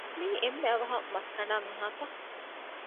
މިއީ އެންމެ އަވަހަށް މަސް ކަނޑާ މީހާތަ؟